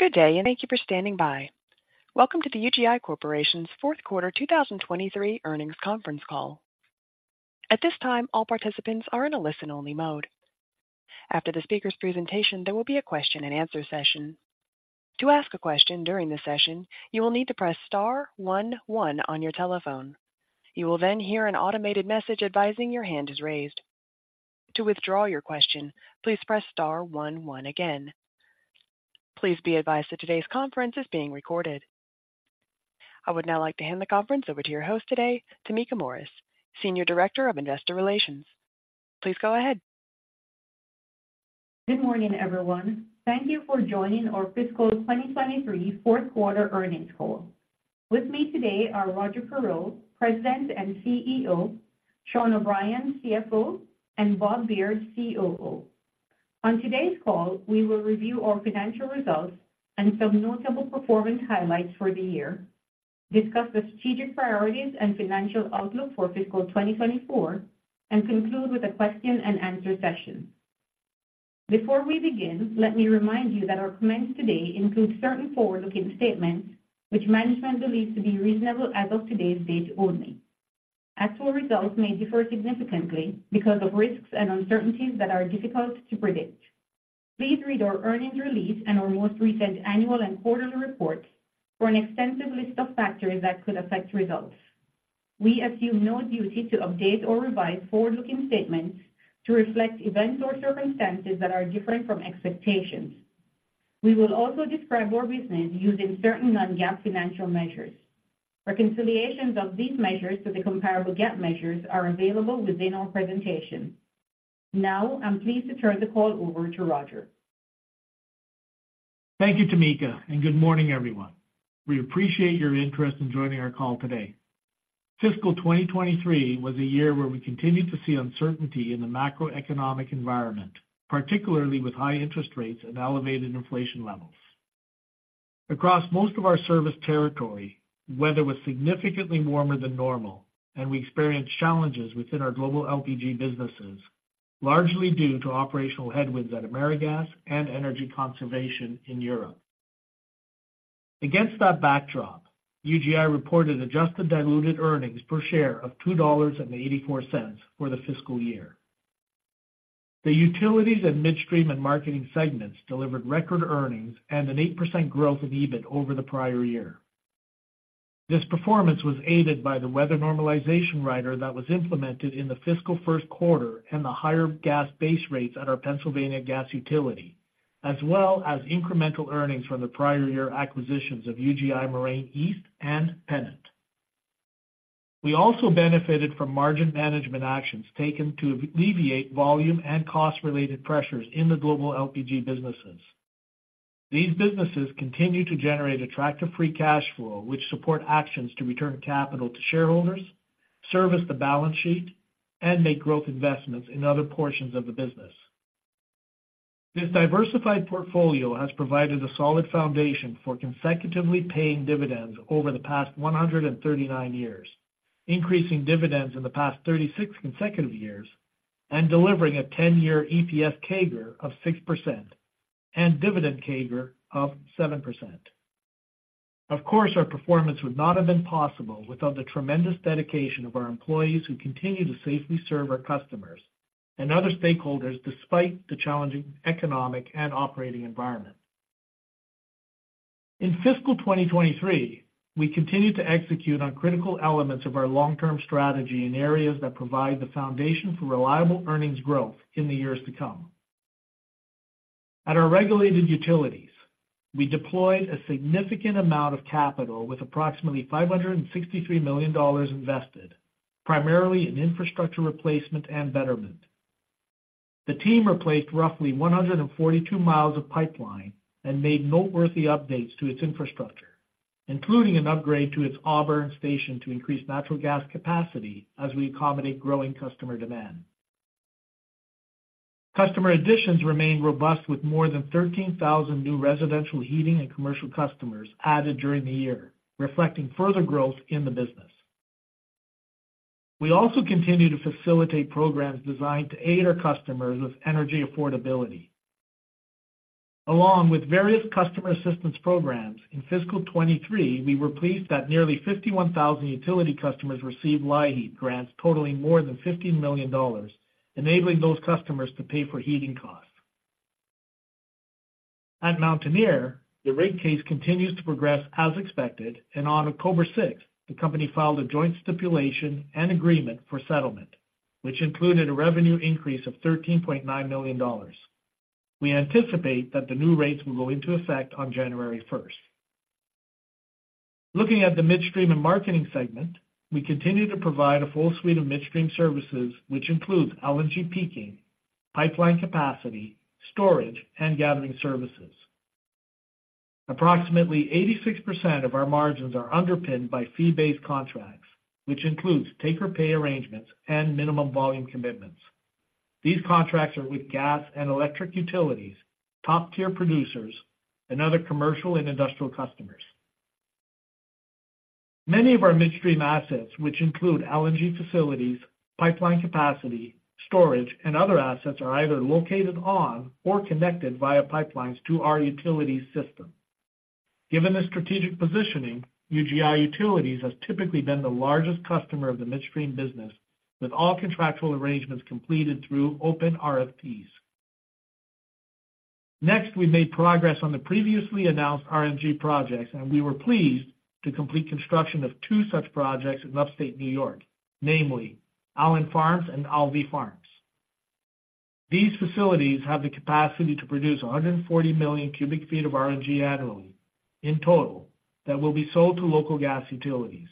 Good day, and thank you for standing by. Welcome to the UGI Corporation's Fourth Quarter 2023 Earnings Conference Call. At this time, all participants are in a listen-only mode. After the speaker's presentation, there will be a question-and-answer session. To ask a question during the session, you will need to press star one one on your telephone. You will then hear an automated message advising your hand is raised. To withdraw your question, please press star one one again. Please be advised that today's conference is being recorded. I would now like to hand the conference over to your host today, Tameka Morris, Senior Director of Investor Relations. Please go ahead. Good morning, everyone. Thank you for joining our fiscal 2023 fourth-quarter earnings call. With me today are Roger Perreault, President and CEO, Sean O'Brien, CFO, and Bob Beard, COO. On today's call, we will review our financial results and some notable performance highlights for the year, discuss the strategic priorities and financial outlook for fiscal 2024, and conclude with a question-and-answer session. Before we begin, let me remind you that our comments today include certain forward-looking statements which management believes to be reasonable as of today's date only. Actual results may differ significantly because of risks and uncertainties that are difficult to predict. Please read our earnings release and our most recent annual and quarterly reports for an extensive list of factors that could affect results. We assume no duty to update or revise forward-looking statements to reflect events or circumstances that are different from expectations. We will also describe our business using certain non-GAAP financial measures. Reconciliations of these measures to the comparable GAAP measures are available within our presentation. Now, I'm pleased to turn the call over to Roger. Thank you, Tameka, and good morning, everyone. We appreciate your interest in joining our call today. Fiscal 2023 was a year where we continued to see uncertainty in the macroeconomic environment, particularly with high interest rates and elevated inflation levels. Across most of our service territory, weather was significantly warmer than normal, and we experienced challenges within our global LPG businesses, largely due to operational headwinds at AmeriGas and energy conservation in Europe. Against that backdrop, UGI reported adjusted diluted earnings per share of $2.84 for the fiscal year. The Utilities and Midstream and Marketing segments delivered record earnings and an 8% growth in EBIT over the prior year. This performance was aided by the Weather normalization rider that was implemented in the fiscal first quarter and the higher gas base rates at our Pennsylvania gas utility, as well as incremental earnings from the prior year acquisitions of UGI Moraine East and Pennant. We also benefited from margin management actions taken to alleviate volume and cost-related pressures in the global LPG businesses. These businesses continue to generate attractive free cash flow, which support actions to return capital to shareholders, service the balance sheet, and make growth investments in other portions of the business. This diversified portfolio has provided a solid foundation for consecutively paying dividends over the past 139 years, increasing dividends in the past 36 consecutive years, and delivering a 10-year EPS CAGR of 6% and dividend CAGR of 7%. Of course, our performance would not have been possible without the tremendous dedication of our employees, who continue to safely serve our customers and other stakeholders despite the challenging economic and operating environment. In fiscal 2023, we continued to execute on critical elements of our long-term strategy in areas that provide the foundation for reliable earnings growth in the years to come. At our regulated utilities, we deployed a significant amount of capital with approximately $563 million invested, primarily in infrastructure replacement and betterment. The team replaced roughly 142 miles of pipeline and made noteworthy updates to its infrastructure, including an upgrade to its Auburn station to increase natural gas capacity as we accommodate growing customer demand. Customer additions remained robust, with more than 13,000 new residential, heating, and commercial customers added during the year, reflecting further growth in the business. We also continued to facilitate programs designed to aid our customers with energy affordability. Along with various customer assistance programs, in fiscal 2023, we were pleased that nearly 51,000 utility customers received LIHEAP grants totaling more than $15 million, enabling those customers to pay for heating costs. At Mountaineer, the rate case continues to progress as expected, and on October 6, the company filed a joint stipulation and agreement for settlement, which included a revenue increase of $13.9 million. We anticipate that the new rates will go into effect on January 1. Looking at the Midstream and Marketing segment, we continue to provide a full suite of midstream services, which includes LNG peaking, pipeline capacity, storage, and gathering services. Approximately 86% of our margins are underpinned by fee-based contracts, which includes take-or-pay arrangements and minimum volume commitments. These contracts are with gas and electric utilities, top-tier producers, and other commercial and industrial customers.... Many of our Midstream assets, which include LNG facilities, pipeline capacity, storage, and other assets, are either located on or connected via pipelines to our utilities system. Given this strategic positioning, UGI Utilities has typically been the largest customer of the Midstream business, with all contractual arrangements completed through open RFPs. Next, we made progress on the previously announced RNG projects, and we were pleased to complete construction of two such projects in upstate New York, namely Allen Farms and Alvey Farms. These facilities have the capacity to produce 140 million cubic feet of RNG annually in total that will be sold to local gas utilities.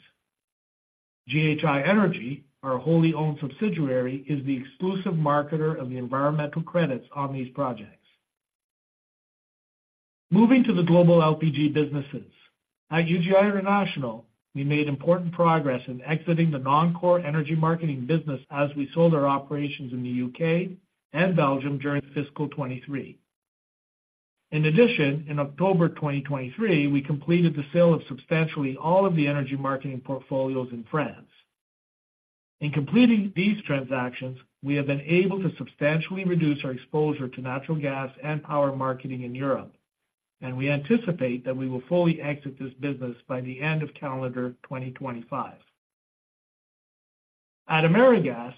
GHI Energy, our wholly-owned subsidiary, is the exclusive marketer of the environmental credits on these projects. Moving to the global LPG businesses. At UGI International, we made important progress in exiting the non-core energy marketing business as we sold our operations in the UK and Belgium during fiscal 2023. In addition, in October 2023, we completed the sale of substantially all of the energy marketing portfolios in France. In completing these transactions, we have been able to substantially reduce our exposure to natural gas and power marketing in Europe, and we anticipate that we will fully exit this business by the end of calendar 2025. At AmeriGas,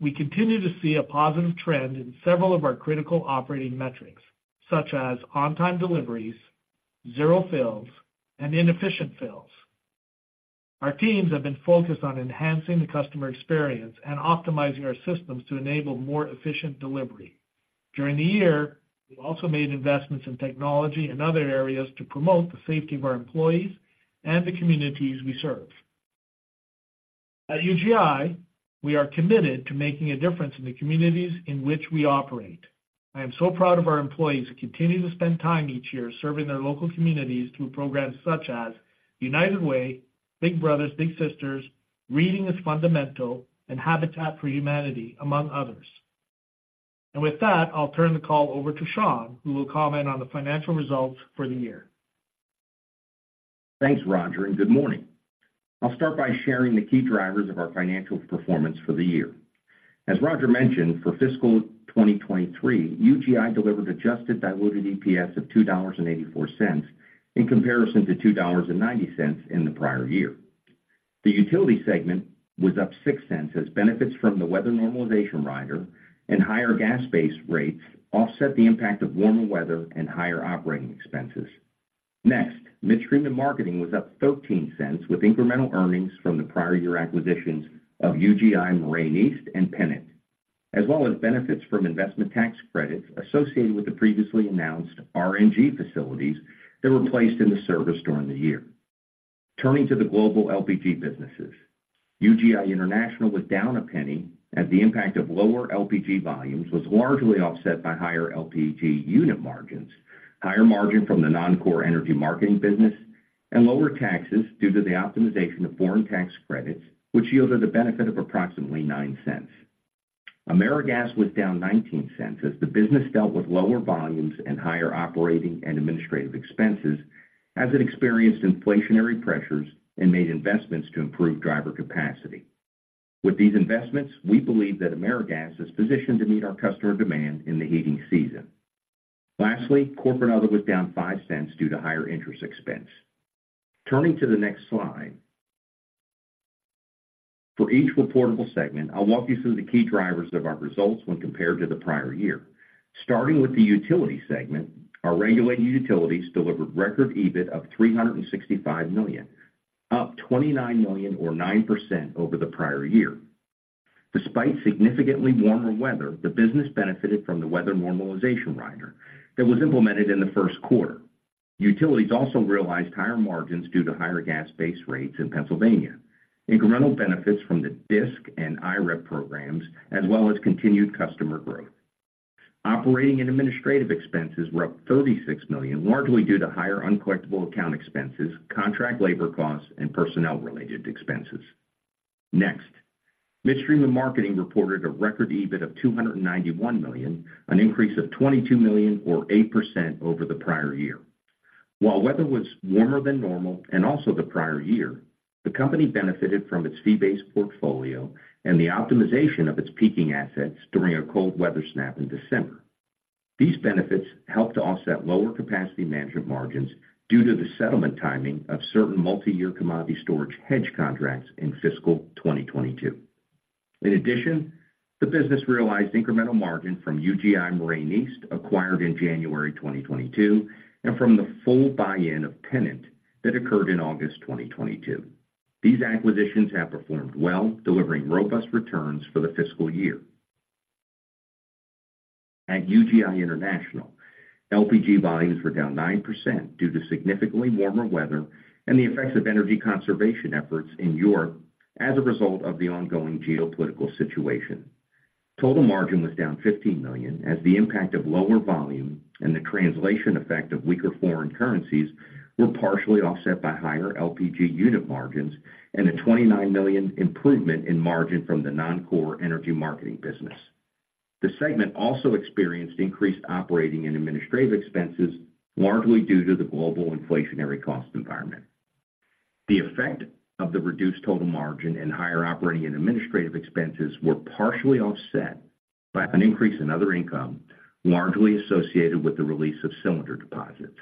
we continue to see a positive trend in several of our critical operating metrics, such as on-time deliveries, zero fails, and inefficient fails. Our teams have been focused on enhancing the customer experience and optimizing our systems to enable more efficient delivery. During the year, we also made investments in technology and other areas to promote the safety of our employees and the communities we serve. At UGI, we are committed to making a difference in the communities in which we operate. I am so proud of our employees who continue to spend time each year serving their local communities through programs such as United Way, Big Brothers Big Sisters, Reading Is Fundamental, and Habitat for Humanity, among others. With that, I'll turn the call over to Sean, who will comment on the financial results for the year. Thanks, Roger, and good morning. I'll start by sharing the key drivers of our financial performance for the year. As Roger mentioned, for fiscal 2023, UGI delivered adjusted diluted EPS of $2.84 in comparison to $2.90 in the prior year. The utility segment was up $0.06 as benefits from the weather normalization rider and higher gas base rates offset the impact of warmer weather and higher operating expenses. Next, Midstream and Marketing was up $0.13, with incremental earnings from the prior year acquisitions of UGI Moraine East and Pennant, as well as benefits from investment tax credits associated with the previously announced RNG facilities that were placed in the service during the year. Turning to the global LPG businesses, UGI International was down $0.01 as the impact of lower LPG volumes was largely offset by higher LPG unit margins, higher margin from the non-core energy marketing business, and lower taxes due to the optimization of foreign tax credits, which yielded a benefit of approximately $0.09. AmeriGas was down $0.19 as the business dealt with lower volumes and higher operating and administrative expenses as it experienced inflationary pressures and made investments to improve driver capacity. With these investments, we believe that AmeriGas is positioned to meet our customer demand in the heating season. Lastly, Corporate Other was down $0.05 due to higher interest expense. Turning to the next slide. For each reportable segment, I'll walk you through the key drivers of our results when compared to the prior year. Starting with the utility segment, our regulated utilities delivered record EBIT of $365 million, up $29 million or 9% over the prior year. Despite significantly warmer weather, the business benefited from the weather normalization rider that was implemented in the first quarter. Utilities also realized higher margins due to higher gas base rates in Pennsylvania, incremental benefits from the DISC and IREP programs, as well as continued customer growth. Operating and administrative expenses were up $36 million, largely due to higher uncollectible account expenses, contract labor costs, and personnel-related expenses. Next, Midstream and Marketing reported a record EBIT of $291 million, an increase of $22 million or 8% over the prior year. While weather was warmer than normal and also the prior year, the company benefited from its fee-based portfolio and the optimization of its peaking assets during a cold weather snap in December. These benefits helped to offset lower capacity management margins due to the settlement timing of certain multiyear commodity storage hedge contracts in fiscal 2022. In addition, the business realized incremental margin from UGI Moraine East, acquired in January 2022, and from the full buy-in of Pennant that occurred in August 2022. These acquisitions have performed well, delivering robust returns for the fiscal year. At UGI International, LPG volumes were down 9% due to significantly warmer weather and the effects of energy conservation efforts in Europe as a result of the ongoing geopolitical situation. Total margin was down $15 million, as the impact of lower volume and the translation effect of weaker foreign currencies were partially offset by higher LPG unit margins and a $29 million improvement in margin from the non-core energy marketing business. The segment also experienced increased operating and administrative expenses, largely due to the global inflationary cost environment. The effect of the reduced total margin and higher operating and administrative expenses were partially offset by an increase in other income, largely associated with the release of cylinder deposits.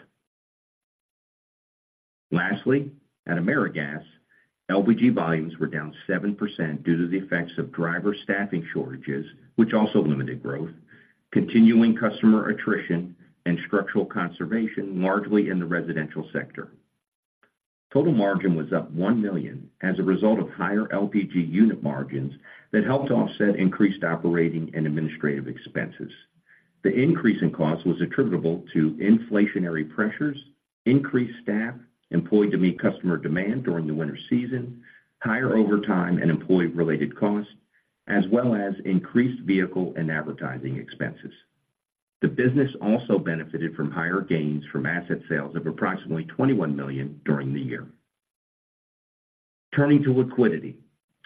Lastly, at AmeriGas, LPG volumes were down 7% due to the effects of driver staffing shortages, which also limited growth, continuing customer attrition and structural conservation, largely in the residential sector. Total margin was up $1 million as a result of higher LPG unit margins that helped to offset increased operating and administrative expenses. The increase in costs was attributable to inflationary pressures, increased staff employed to meet customer demand during the winter season, higher overtime and employee-related costs, as well as increased vehicle and advertising expenses. The business also benefited from higher gains from asset sales of approximately $21 million during the year. Turning to liquidity.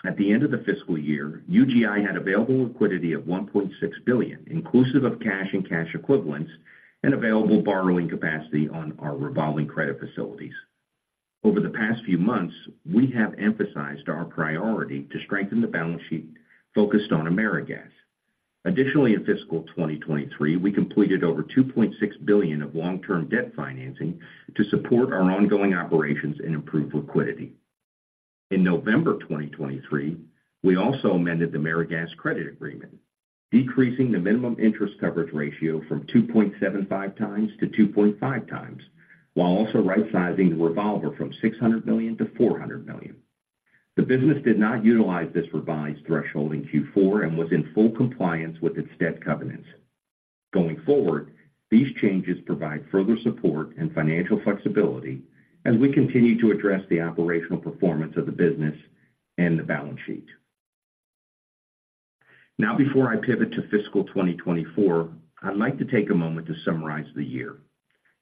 At the end of the fiscal year, UGI had available liquidity of $1.6 billion, inclusive of cash and cash equivalents, and available borrowing capacity on our revolving credit facilities. Over the past few months, we have emphasized our priority to strengthen the balance sheet focused on AmeriGas. Additionally, in fiscal 2023, we completed over $2.6 billion of long-term debt financing to support our ongoing operations and improve liquidity. In November 2023, we also amended the AmeriGas credit agreement, decreasing the minimum interest coverage ratio from 2.75 times to 2.5 times, while also rightsizing the revolver from $600 million to $400 million. The business did not utilize this revised threshold in Q4 and was in full compliance with its debt covenants. Going forward, these changes provide further support and financial flexibility as we continue to address the operational performance of the business and the balance sheet. Now, before I pivot to fiscal 2024, I'd like to take a moment to summarize the year.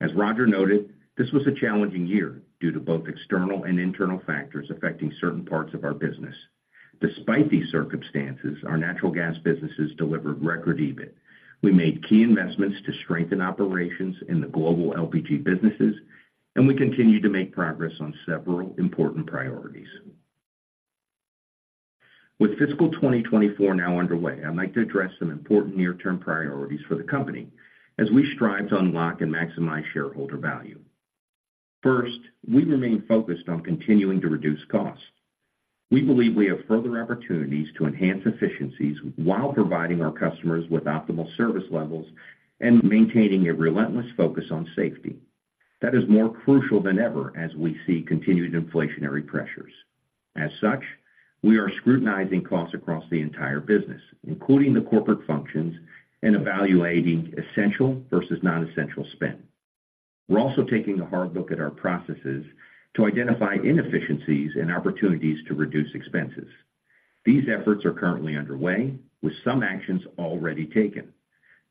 As Roger noted, this was a challenging year due to both external and internal factors affecting certain parts of our business. Despite these circumstances, our natural gas businesses delivered record EBIT. We made key investments to strengthen operations in the global LPG businesses, and we continued to make progress on several important priorities. With fiscal 2024 now underway, I'd like to address some important near-term priorities for the company as we strive to unlock and maximize shareholder value. First, we remain focused on continuing to reduce costs. We believe we have further opportunities to enhance efficiencies while providing our customers with optimal service levels and maintaining a relentless focus on safety. That is more crucial than ever as we see continued inflationary pressures. As such, we are scrutinizing costs across the entire business, including the corporate functions and evaluating essential versus non-essential spend. We're also taking a hard look at our processes to identify inefficiencies and opportunities to reduce expenses. These efforts are currently underway, with some actions already taken,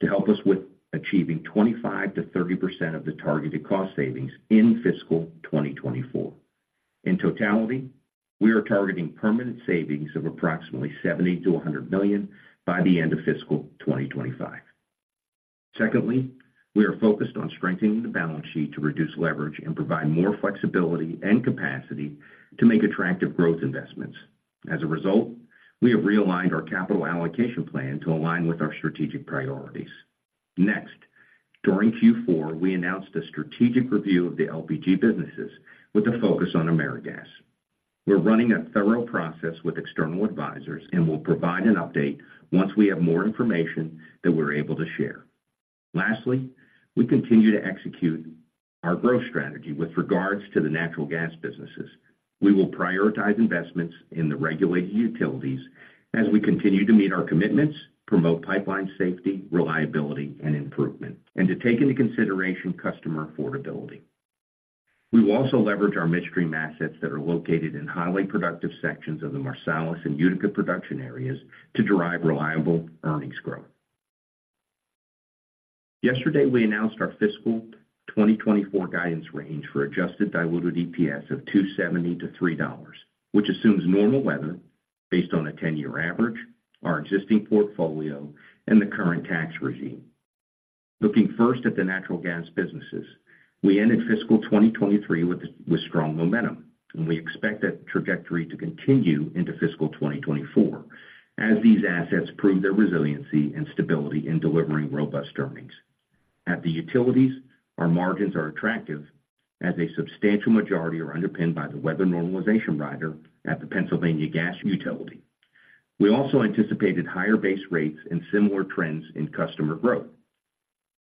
to help us with achieving 25%-30% of the targeted cost savings in fiscal 2024. In totality, we are targeting permanent savings of approximately $70 million-$100 million by the end of fiscal 2025. Secondly, we are focused on strengthening the balance sheet to reduce leverage and provide more flexibility and capacity to make attractive growth investments. As a result, we have realigned our capital allocation plan to align with our strategic priorities. Next, during Q4, we announced a strategic review of the LPG businesses with a focus on AmeriGas. We're running a thorough process with external advisors, and we'll provide an update once we have more information that we're able to share. Lastly, we continue to execute our growth strategy with regards to the natural gas businesses. We will prioritize investments in the regulated utilities as we continue to meet our commitments, promote pipeline safety, reliability, and improvement, and to take into consideration customer affordability. We will also leverage our midstream assets that are located in highly productive sections of the Marcellus and Utica production areas to derive reliable earnings growth. Yesterday, we announced our fiscal 2024 guidance range for adjusted diluted EPS of $2.70-$3, which assumes normal weather based on a 10-year average, our existing portfolio, and the current tax regime. Looking first at the natural gas businesses, we ended fiscal 2023 with strong momentum, and we expect that trajectory to continue into fiscal 2024 as these assets prove their resiliency and stability in delivering robust earnings. At the utilities, our margins are attractive as a substantial majority are underpinned by the weather normalization rider at the Pennsylvania Gas Utility. We also anticipated higher base rates and similar trends in customer growth.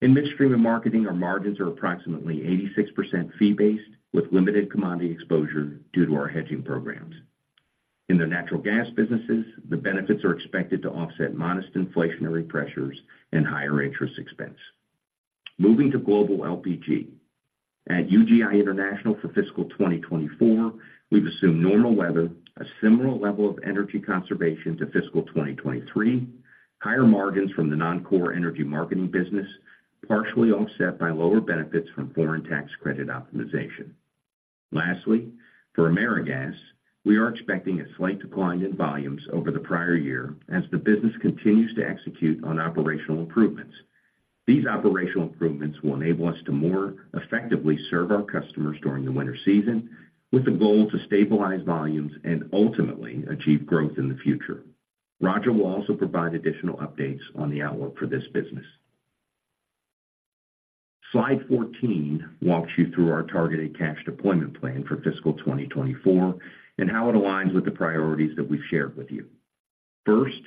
In midstream and marketing, our margins are approximately 86% fee-based, with limited commodity exposure due to our hedging programs. In the natural gas businesses, the benefits are expected to offset modest inflationary pressures and higher interest expense. Moving to global LPG. At UGI International for fiscal 2024, we've assumed normal weather, a similar level of energy conservation to fiscal 2023, higher margins from the non-core energy marketing business, partially offset by lower benefits from foreign tax credit optimization. Lastly, for AmeriGas, we are expecting a slight decline in volumes over the prior year as the business continues to execute on operational improvements. These operational improvements will enable us to more effectively serve our customers during the winter season, with the goal to stabilize volumes and ultimately achieve growth in the future. Roger will also provide additional updates on the outlook for this business. Slide 14 walks you through our targeted cash deployment plan for fiscal 2024 and how it aligns with the priorities that we've shared with you. First,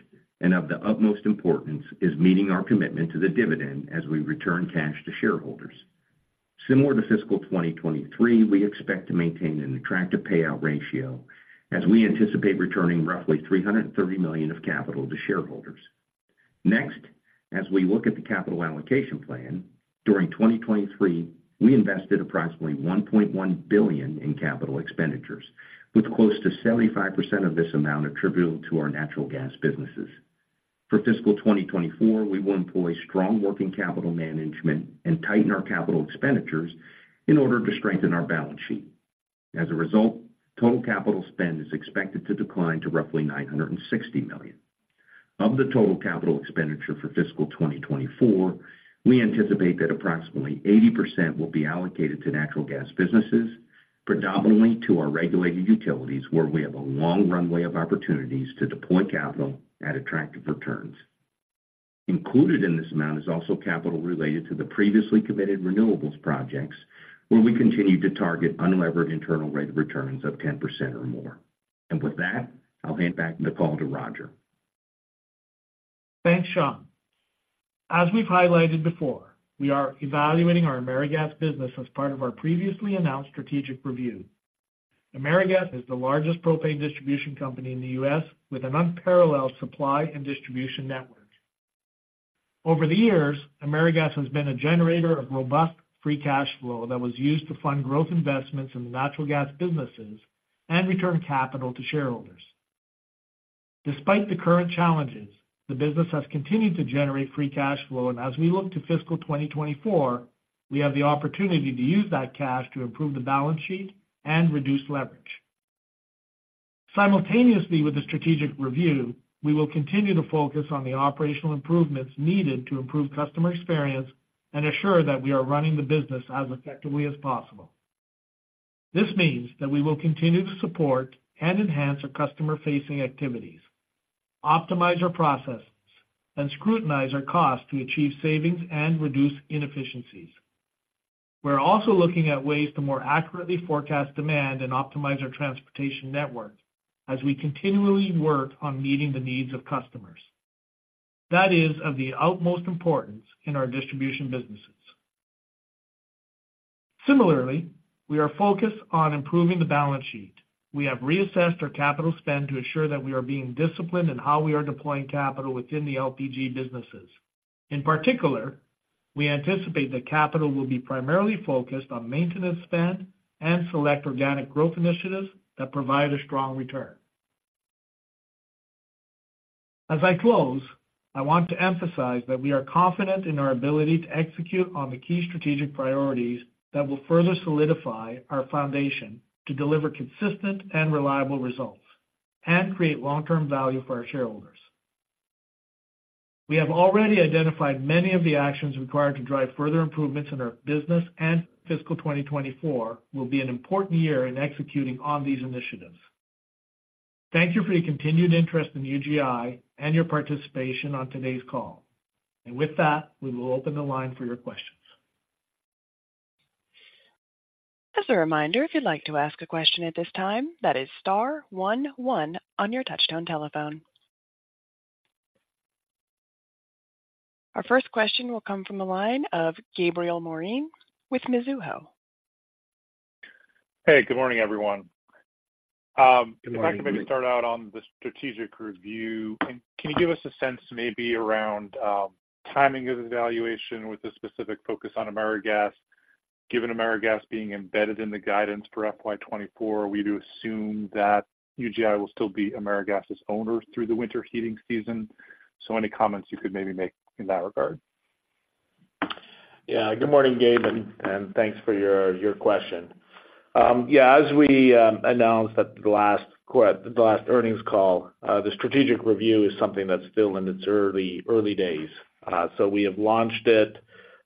and of the utmost importance, is meeting our commitment to the dividend as we return cash to shareholders. Similar to fiscal 2023, we expect to maintain an attractive payout ratio as we anticipate returning roughly $330 million of capital to shareholders. Next, as we look at the capital allocation plan, during 2023, we invested approximately $1.1 billion in capital expenditures, with close to 75% of this amount attributable to our natural gas businesses. For fiscal 2024, we will employ strong working capital management and tighten our capital expenditures in order to strengthen our balance sheet. As a result, total capital spend is expected to decline to roughly $960 million. Of the total capital expenditure for fiscal 2024, we anticipate that approximately 80% will be allocated to natural gas businesses, predominantly to our regulated utilities, where we have a long runway of opportunities to deploy capital at attractive returns. Included in this amount is also capital related to the previously committed renewables projects, where we continue to target unlevered internal rate of returns of 10% or more. With that, I'll hand back the call to Roger. Thanks, Sean. As we've highlighted before, we are evaluating our AmeriGas business as part of our previously announced strategic review. AmeriGas is the largest propane distribution company in the U.S., with an unparalleled supply and distribution network. Over the years, AmeriGas has been a generator of robust free cash flow that was used to fund growth investments in the natural gas businesses and return capital to shareholders. Despite the current challenges, the business has continued to generate free cash flow, and as we look to fiscal 2024, we have the opportunity to use that cash to improve the balance sheet and reduce leverage. Simultaneously with the strategic review, we will continue to focus on the operational improvements needed to improve customer experience and assure that we are running the business as effectively as possible. This means that we will continue to support and enhance our customer-facing activities, optimize our processes, and scrutinize our costs to achieve savings and reduce inefficiencies. We're also looking at ways to more accurately forecast demand and optimize our transportation network as we continually work on meeting the needs of customers. That is of the utmost importance in our distribution businesses. Similarly, we are focused on improving the balance sheet. We have reassessed our capital spend to ensure that we are being disciplined in how we are deploying capital within the LPG businesses. In particular, we anticipate that capital will be primarily focused on maintenance spend and select organic growth initiatives that provide a strong return. As I close, I want to emphasize that we are confident in our ability to execute on the key strategic priorities that will further solidify our foundation to deliver consistent and reliable results and create long-term value for our shareholders. We have already identified many of the actions required to drive further improvements in our business, and fiscal 2024 will be an important year in executing on these initiatives. Thank you for your continued interest in UGI and your participation on today's call. With that, we will open the line for your questions. As a reminder, if you'd like to ask a question at this time, that is star one one on your touchtone telephone. Our first question will come from the line of Gabriel Moreen with Mizuho. Hey, good morning, everyone. Good morning. If I could maybe start out on the strategic review. Can you give us a sense maybe around, timing of the valuation with a specific focus on AmeriGas? Given AmeriGas being embedded in the guidance for FY 2024, we do assume that UGI will still be AmeriGas's owner through the winter heating season. So any comments you could maybe make in that regard? Yeah. Good morning, Gabe, and thanks for your question. Yeah, as we announced at the last earnings call, the strategic review is something that's still in its early days. So we have launched it,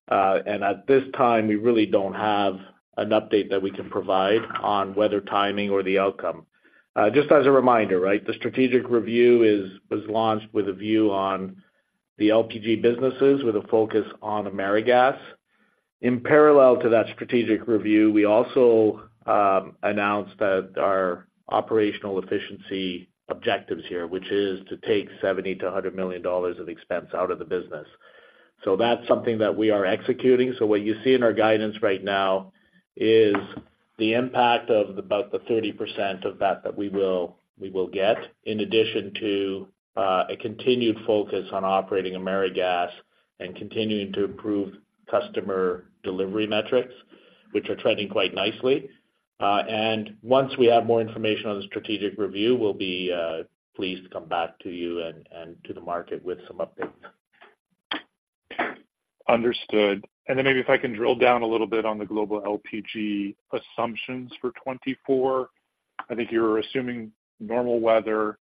and at this time, we really don't have an update that we can provide on whether timing or the outcome. Just as a reminder, right, the strategic review was launched with a view on the LPG businesses, with a focus on AmeriGas. In parallel to that strategic review, we also announced that our operational efficiency objectives here, which is to take $70 million-$100 million of expense out of the business. So that's something that we are executing. So what you see in our guidance right now is the impact of about the 30% of that, that we will, we will get, in addition to, a continued focus on operating AmeriGas and continuing to improve customer delivery metrics, which are trending quite nicely. And once we have more information on the strategic review, we'll be, pleased to come back to you and, and to the market with some updates.... Understood. Then maybe if I can drill down a little bit on the global LPG assumptions for 2024. I think you're assuming normal weather,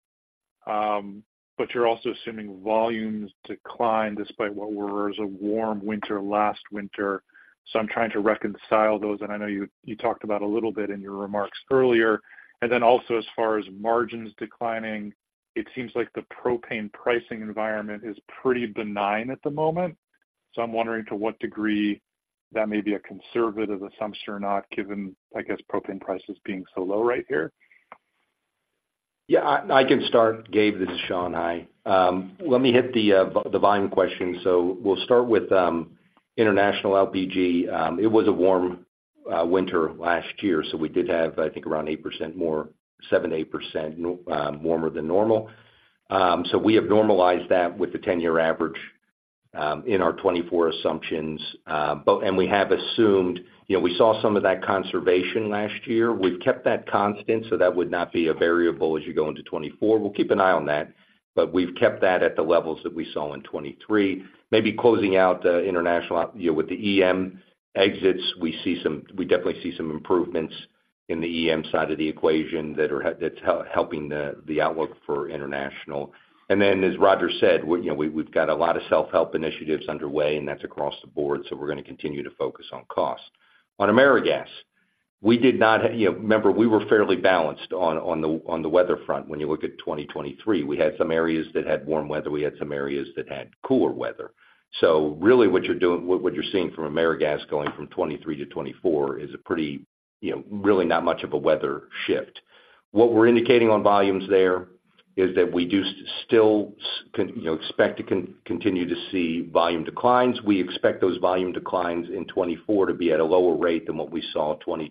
but you're also assuming volumes decline despite what was a warm winter last winter. So I'm trying to reconcile those, and I know you talked about a little bit in your remarks earlier. Then also, as far as margins declining, it seems like the propane pricing environment is pretty benign at the moment. So I'm wondering to what degree that may be a conservative assumption or not, given, I guess, propane prices being so low right here. Yeah, I can start, Gabe. This is Sean O'Brien. Let me hit the volume question. So we'll start with international LPG. It was a warm winter last year, so we did have, I think, around 8% more, 7%-8% warmer than normal. So we have normalized that with the 10-year average in our 2024 assumptions. But and we have assumed, you know, we saw some of that conservation last year. We've kept that constant, so that would not be a variable as you go into 2024. We'll keep an eye on that, but we've kept that at the levels that we saw in 2023. Maybe closing out international, you know, with the EM exits, we see some—we definitely see some improvements in the EM side of the equation that's helping the outlook for international. And then, as Roger said, you know, we've got a lot of self-help initiatives underway, and that's across the board, so we're gonna continue to focus on cost. On AmeriGas, we did not, you know. Remember, we were fairly balanced on the weather front when you look at 2023. We had some areas that had warm weather, we had some areas that had cooler weather. So really, what you're seeing from AmeriGas going from 2023 to 2024 is a pretty, you know, really not much of a weather shift. What we're indicating on volumes there is that we do still you know, expect to continue to see volume declines. We expect those volume declines in 2024 to be at a lower rate than what we saw in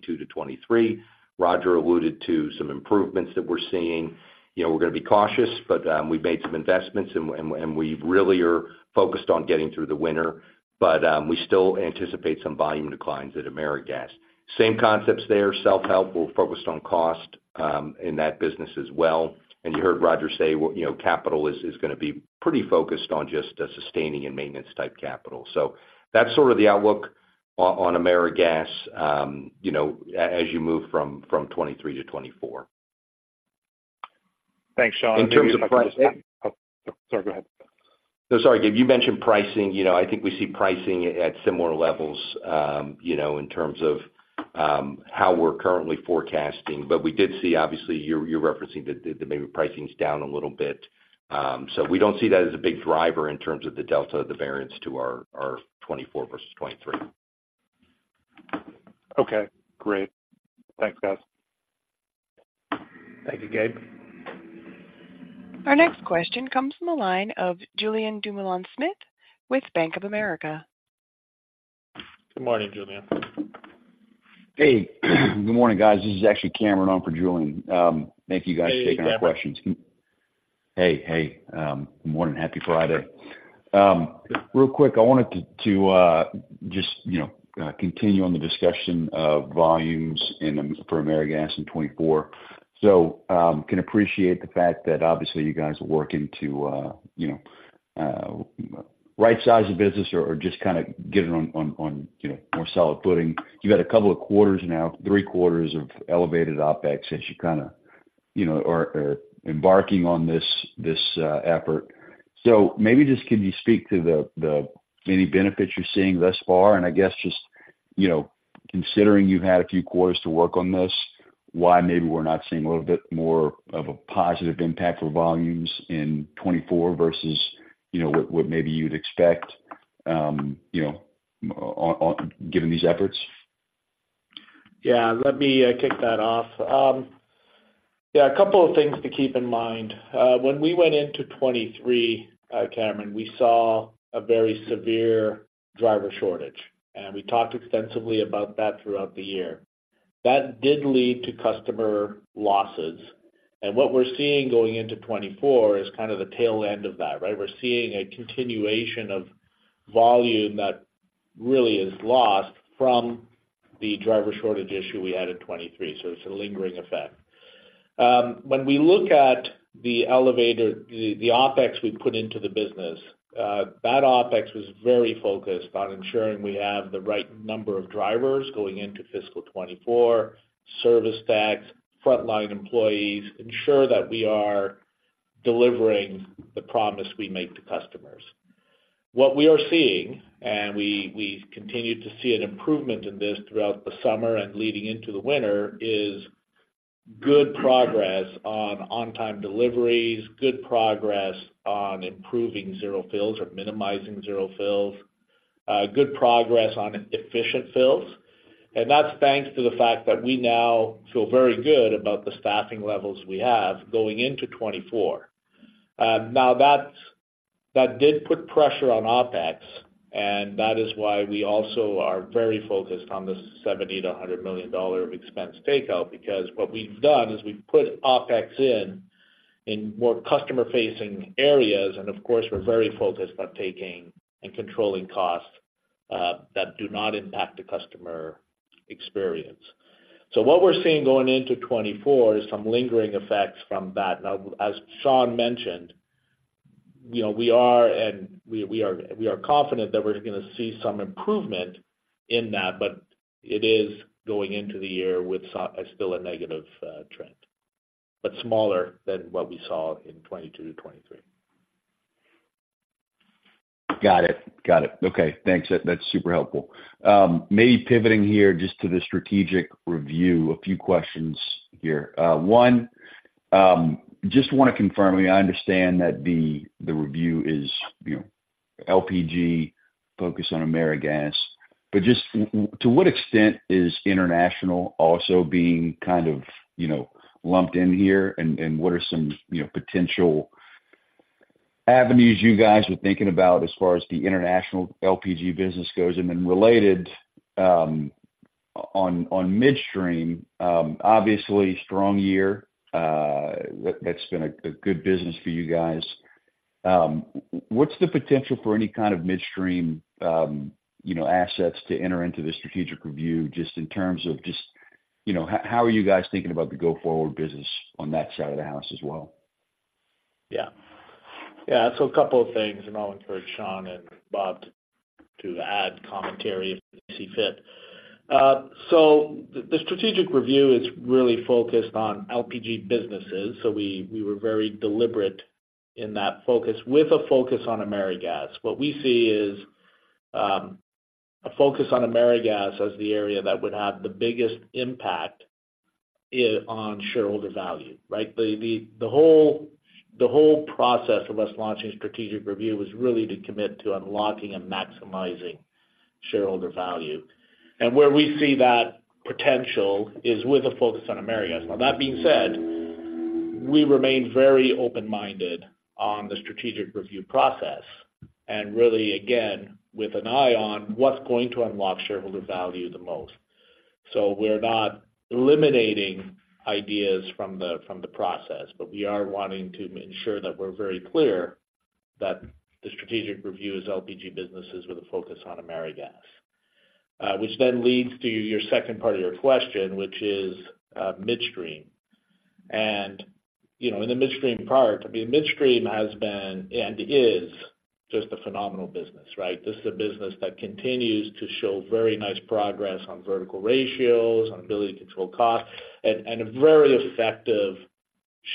2022-2023. Roger alluded to some improvements that we're seeing. You know, we're gonna be cautious, but, we've made some investments and we really are focused on getting through the winter, but, we still anticipate some volume declines at AmeriGas. Same concepts there. Self-help, we're focused on cost in that business as well. And you heard Roger say, you know, capital is gonna be pretty focused on just a sustaining and maintenance-type capital. So that's sort of the outlook on AmeriGas you know, as you move from 2023 to 2024. Thanks, Sean. In terms of pricing- Oh, sorry, go ahead. No, sorry, Gabe, you mentioned pricing. You know, I think we see pricing at similar levels, you know, in terms of how we're currently forecasting, but we did see obviously you're referencing that maybe pricing's down a little bit. So we don't see that as a big driver in terms of the delta of the variance to our 2024 versus 2023. Okay, great. Thanks, guys. Thank you, Gabe. Our next question comes from the line of Julien Dumoulin-Smith with Bank of America. Good morning, Julien. Hey, good morning, guys. This is actually Cameron on for Julien. Thank you guys for taking our questions. Hey, Cameron. Hey, hey, good morning. Happy Friday. Real quick, I wanted to, to, just, you know, continue on the discussion of volumes in the, for AmeriGas in 2024. So, can appreciate the fact that obviously you guys are working to, you know, rightsize the business or, or just kinda get it on, on, on, you know, more solid footing. You've had a couple of quarters now, three quarters of elevated OpEx, as you kinda, you know, are, are embarking on this, this, effort. So maybe just can you speak to the, the, any benefits you're seeing thus far? I guess just, you know, considering you've had a few quarters to work on this, why maybe we're not seeing a little bit more of a positive impact for volumes in 2024 versus, you know, what, what maybe you'd expect, you know, given these efforts? Yeah, let me kick that off. Yeah, a couple of things to keep in mind. When we went into 2023, Cameron, we saw a very severe driver shortage, and we talked extensively about that throughout the year. That did lead to customer losses, and what we're seeing going into 2024 is kind of the tail end of that, right? We're seeing a continuation of volume that really is lost from the driver shortage issue we had in 2023, so it's a lingering effect. When we look at the elevated OpEx we put into the business, that OpEx was very focused on ensuring we have the right number of drivers going into fiscal 2024, service techs, frontline employees, ensure that we are delivering the promise we make to customers. What we are seeing, we've continued to see an improvement in this throughout the summer and leading into the winter, is good progress on on-time deliveries, good progress on improving zero fills or minimizing zero fills, good progress on efficient fills. That's thanks to the fact that we now feel very good about the staffing levels we have going into 2024. Now, that did put pressure on OpEx, and that is why we also are very focused on the $70 million-$100 million of expense takeout, because what we've done is we've put OpEx in more customer-facing areas, and of course, we're very focused on taking and controlling costs that do not impact the customer experience.... So what we're seeing going into 2024 is some lingering effects from that. Now, as Sean mentioned, you know, we are confident that we're gonna see some improvement in that, but it is going into the year with so still a negative trend, but smaller than what we saw in 2022 to 2023. Got it. Got it. Okay, thanks. That's super helpful. Maybe pivoting here just to the strategic review, a few questions here. One, just wanna confirm, I understand that the review is, you know, LPG focused on AmeriGas, but just to what extent is international also being kind of, you know, lumped in here? And what are some, you know, potential avenues you guys are thinking about as far as the international LPG business goes? And then related, on midstream, obviously, strong year, that's been a good business for you guys. What's the potential for any kind of midstream, you know, assets to enter into the strategic review, just in terms of, you know, how are you guys thinking about the go-forward business on that side of the house as well? Yeah. Yeah, so a couple of things, and I'll encourage Sean and Bob to add commentary if they see fit. So the strategic review is really focused on LPG businesses, so we were very deliberate in that focus, with a focus on AmeriGas. What we see is a focus on AmeriGas as the area that would have the biggest impact on shareholder value, right? The whole process of us launching a strategic review was really to commit to unlocking and maximizing shareholder value. And where we see that potential is with a focus on AmeriGas. Now, that being said, we remain very open-minded on the strategic review process, and really, again, with an eye on what's going to unlock shareholder value the most. So we're not eliminating ideas from the process, but we are wanting to ensure that we're very clear that the strategic review is LPG businesses with a focus on AmeriGas. Which then leads to your second part of your question, which is midstream. And, you know, in the midstream part, I mean, midstream has been and is just a phenomenal business, right? This is a business that continues to show very nice progress on vertical ratios, on ability to control costs, and a very effective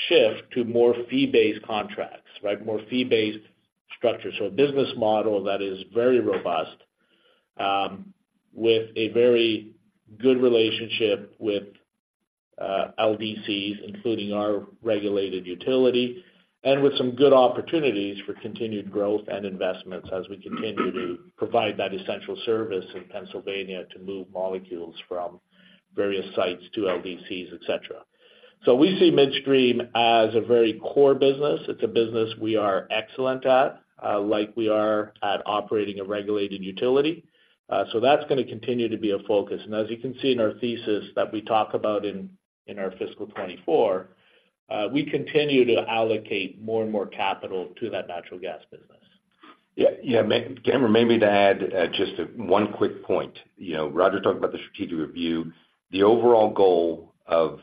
shift to more fee-based contracts, right, more fee-based structures. So a business model that is very robust, with a very good relationship with LDCs, including our regulated utility, and with some good opportunities for continued growth and investments as we continue to provide that essential service in Pennsylvania to move molecules from various sites to LDCs, et cetera. We see midstream as a very core business. It's a business we are excellent at, like we are at operating a regulated utility. That's gonna continue to be a focus. As you can see in our thesis that we talk about in our fiscal 2024, we continue to allocate more and more capital to that natural gas business. Yeah. Yeah, Cameron, maybe to add just one quick point. You know, Roger talked about the strategic review. The overall goal of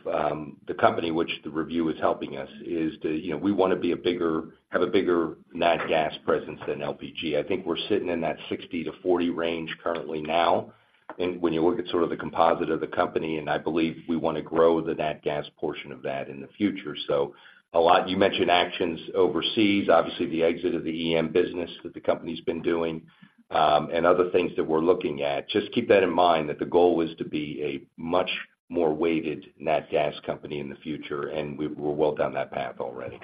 the company, which the review is helping us, is to, you know, we wanna be a bigger, have a bigger nat gas presence than LPG. I think we're sitting in that 60-40 range currently now, and when you look at sort of the composite of the company, and I believe we wanna grow the nat gas portion of that in the future. So a lot, you mentioned actions overseas, obviously, the exit of the EM business that the company's been doing, and other things that we're looking at. Just keep that in mind, that the goal is to be a much more weighted nat gas company in the future, and we're well down that path already.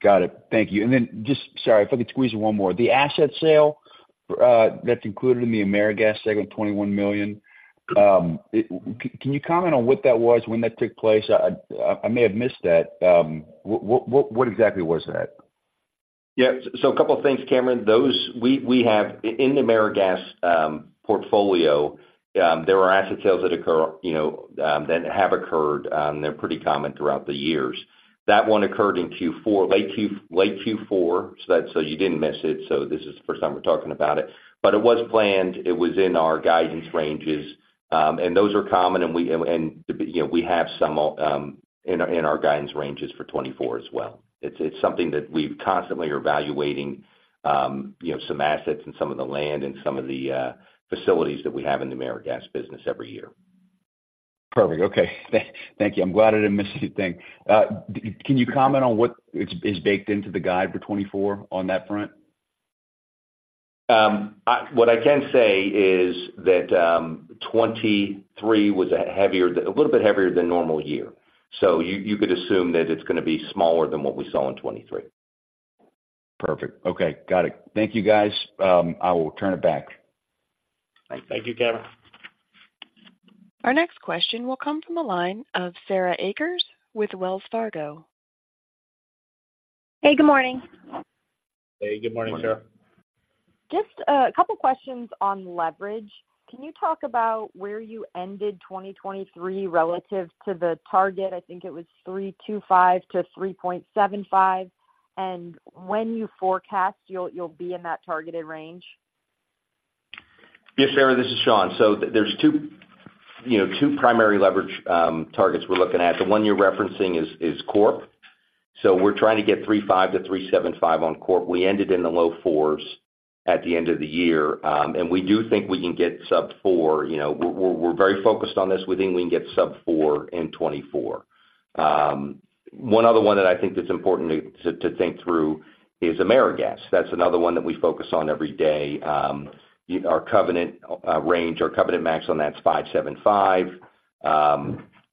Got it. Thank you. And then just... Sorry, if I could squeeze in one more. The asset sale, that's included in the AmeriGas segment, $21 million, can you comment on what that was, when that took place? I may have missed that. What exactly was that? Yeah, so a couple of things, Cameron. Those. We have in the AmeriGas portfolio, there are asset sales that occur, you know, that have occurred, they're pretty common throughout the years. That one occurred in Q4, late Q4, so you didn't miss it, so this is the first time we're talking about it. But it was planned. It was in our guidance ranges, and those are common, and we, and, you know, we have some in our guidance ranges for 2024 as well. It's something that we constantly are evaluating, you know, some assets and some of the land and some of the facilities that we have in the AmeriGas business every year. Perfect. Okay. Thank you. I'm glad I didn't miss anything. Can you comment on what is baked into the guide for 2024 on that front? What I can say is that, 2023 was a heavier, a little bit heavier than normal year. So you could assume that it's gonna be smaller than what we saw in 2023. Perfect. Okay, got it. Thank you, guys. I will turn it back. Thank you, Cameron. Our next question will come from the line of Sarah Akers with Wells Fargo. Hey, good morning. Hey, good morning, Sarah. Good morning. Just a couple questions on leverage. Can you talk about where you ended 2023 relative to the target? I think it was 3-5 to 3.75.... and when you forecast, you'll, you'll be in that targeted range? Yes, Sarah, this is Sean. So there's two, you know, two primary leverage targets we're looking at. The one you're referencing is Corp. So we're trying to get 3.5-3.75 on Corp. We ended in the low 4s at the end of the year, and we do think we can get sub-4. You know, we're very focused on this. We think we can get sub-4 in 2024. One other one that I think that's important to think through is AmeriGas. That's another one that we focus on every day. Our covenant range, our covenant max on that's 5.75.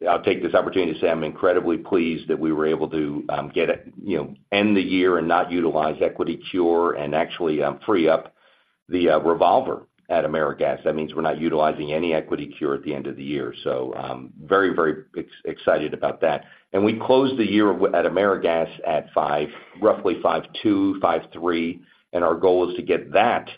I'll take this opportunity to say I'm incredibly pleased that we were able to, get it, you know, end the year and not utilize equity cure and actually, free up the, revolver at AmeriGas. That means we're not utilizing any equity cure at the end of the year. So, very, very excited about that. And we closed the year at AmeriGas at roughly 5.2, 5.3, and our goal is to get that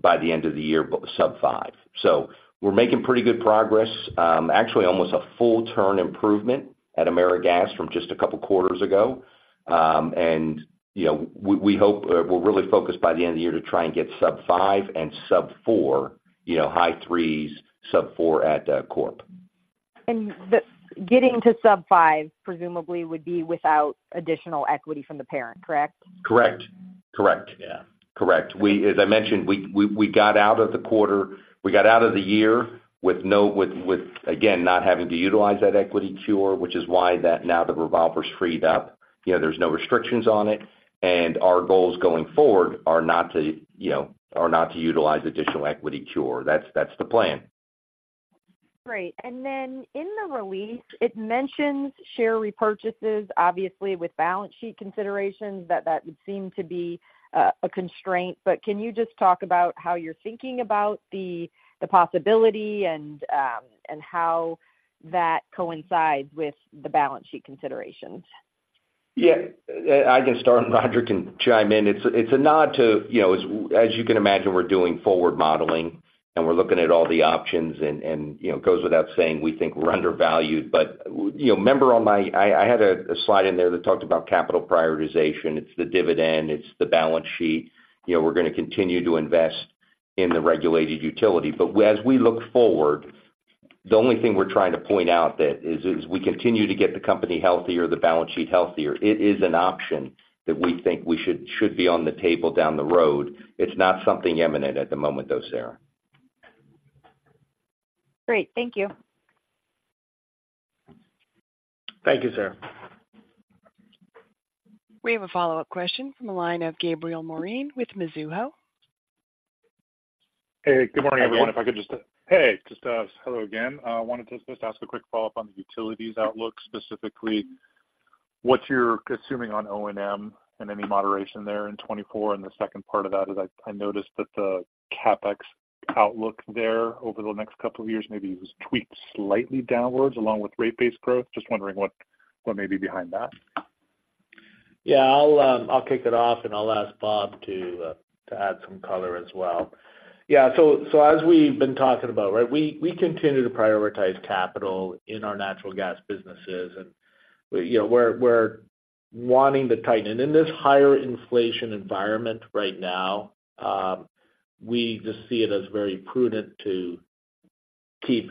by the end of the year, sub 5. So we're making pretty good progress, actually almost a full turn improvement at AmeriGas from just a couple of quarters ago. And, you know, we hope-- we're really focused by the end of the year to try and get sub 5 and sub 4, you know, high threes, sub 4 at, Corp. And getting to sub five, presumably would be without additional equity from the parent, correct? Correct. Correct. Yeah. Correct. As I mentioned, we got out of the quarter—we got out of the year with no—with again not having to utilize that equity cure, which is why that now the revolver's freed up. You know, there's no restrictions on it, and our goals going forward are not to, you know, utilize additional equity cure. That's the plan. Great. And then in the release, it mentions share repurchases, obviously with balance sheet considerations, that would seem to a constraint. But can you just talk about how you're thinking about the possibility and how that coincides with the balance sheet considerations? Yeah, I can start, and Roger can chime in. It's a nod to, you know, as you can imagine, we're doing forward modeling, and we're looking at all the options, and, you know, it goes without saying, we think we're undervalued. But, you know, remember on my—I had a slide in there that talked about capital prioritization. It's the dividend, it's the balance sheet. You know, we're going to continue to invest in the regulated utility. But as we look forward, the only thing we're trying to point out that as we continue to get the company healthier, the balance sheet healthier, it is an option that we think we should be on the table down the road. It's not something imminent at the moment, though, Sarah. Great. Thank you. Thank you, Sarah. We have a follow-up question from the line of Gabriel Moreen with Mizuho. Hey, good morning, everyone. Hello again. I wanted to just ask a quick follow-up on the utilities outlook, specifically what you're assuming on O&M and any moderation there in 2024. And the second part of that is I noticed that the CapEx outlook there over the next couple of years maybe was tweaked slightly downwards along with rate-based growth. Just wondering what may be behind that? Yeah, I'll, I'll kick it off, and I'll ask Bob to, to add some color as well. Yeah, so as we've been talking about, right, we continue to prioritize capital in our natural gas businesses, and, you know, we're wanting to tighten. In this higher inflation environment right now, we just see it as very prudent to keep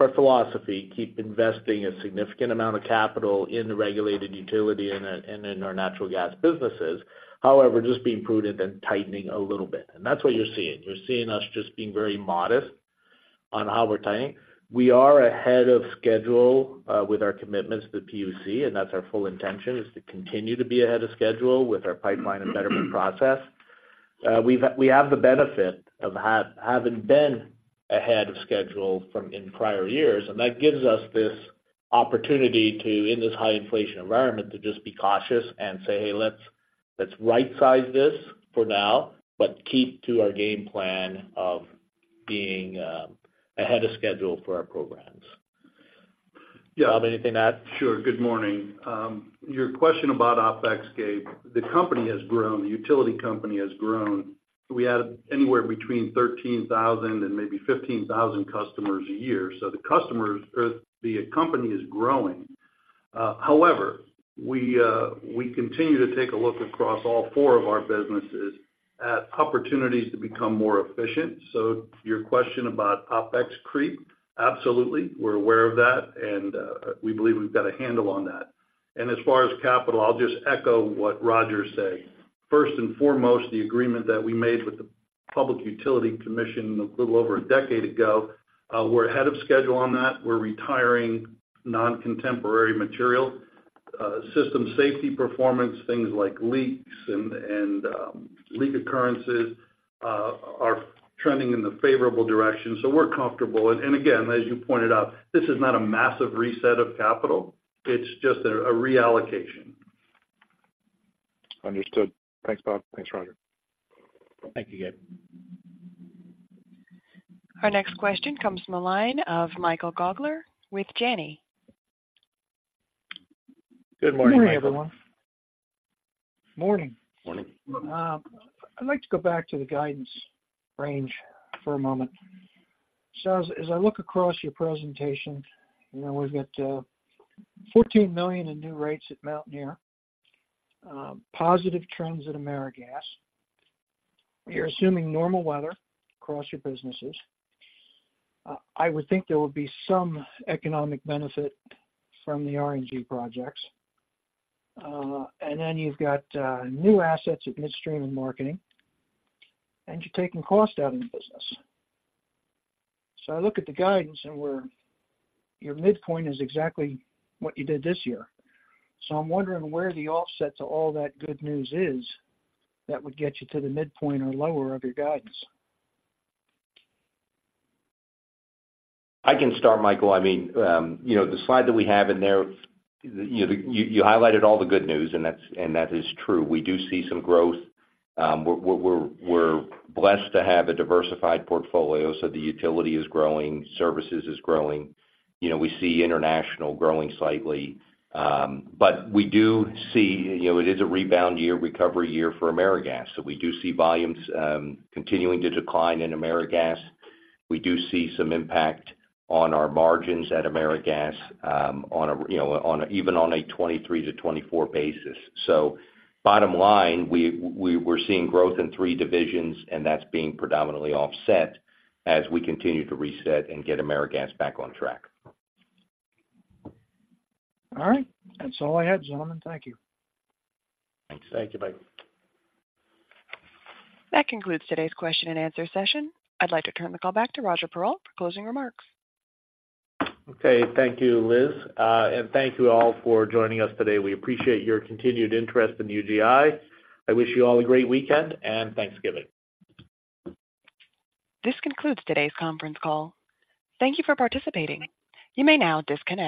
our philosophy, keep investing a significant amount of capital in the regulated utility and in our natural gas businesses. However, just being prudent and tightening a little bit, and that's what you're seeing. You're seeing us just being very modest on how we're tightening. We are ahead of schedule with our commitments to the PUC, and that's our full intention, is to continue to be ahead of schedule with our pipeline and betterment process. We have the benefit of having been ahead of schedule from in prior years, and that gives us this opportunity to, in this high inflation environment, to just be cautious and say, "Hey, let's rightsize this for now, but keep to our game plan of being ahead of schedule for our programs." Bob, anything to add? Sure. Good morning. Your question about OpEx, Gabe, the company has grown, the utility company has grown. We added anywhere between 13,000 and maybe 15,000 customers a year, so the customers—or the company is growing. However, we continue to take a look across all four of our businesses at opportunities to become more efficient. So your question about OpEx creep, absolutely, we're aware of that, and we believe we've got a handle on that. As far as capital, I'll just echo what Roger said. First and foremost, the agreement that we made with the Public Utility Commission a little over a decade ago, we're ahead of schedule on that. We're retiring non-contributory material, system safety performance, things like leaks and leak occurrences, are trending in the favorable direction, so we're comfortable. And, again, as you pointed out, this is not a massive reset of capital, it's just a reallocation. Understood. Thanks, Bob. Thanks, Roger. Thank you, Gabe. Our next question comes from the line of Michael Gaugler with Janney. Good morning, Michael. Good morning, everyone. Morning. Morning. I'd like to go back to the guidance range for a moment. So as I look across your presentation, you know, we've got $14 million in new rates at Mountaineer, positive trends at AmeriGas. You're assuming normal weather across your businesses. I would think there would be some economic benefit from the RNG projects. And then you've got new assets at Midstream and Marketing, and you're taking cost out of the business. So I look at the guidance, and your midpoint is exactly what you did this year. So I'm wondering where the offset to all that good news is, that would get you to the midpoint or lower of your guidance? I can start, Michael. I mean, you know, the slide that we have in there, you know, you highlighted all the good news, and that's, and that is true. We do see some growth. We're blessed to have a diversified portfolio, so the utility is growing, services is growing. You know, we see international growing slightly. But we do see, you know, it is a rebound year, recovery year for AmeriGas. So we do see volumes continuing to decline in AmeriGas. We do see some impact on our margins at AmeriGas, even on a 2023-2024 basis. So bottom line, we're seeing growth in three divisions, and that's being predominantly offset as we continue to reset and get AmeriGas back on track. All right. That's all I had, gentlemen. Thank you. Thanks. Thank you, Michael. That concludes today's question and answer session. I'd like to turn the call back to Roger Perreault for closing remarks. Okay. Thank you, Liz, and thank you all for joining us today. We appreciate your continued interest in UGI. I wish you all a great weekend and Thanksgiving. This concludes today's conference call. Thank you for participating. You may now disconnect.